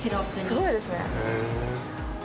すごいですね。